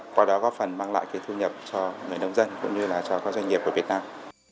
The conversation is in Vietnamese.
qua đó góp phần mang lại cái thu nhập cho người nông dân cũng như là cho các doanh nghiệp của việt nam